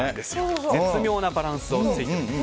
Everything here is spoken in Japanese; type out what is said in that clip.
絶妙なバランスをついてるんです。